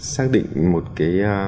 xác định một cái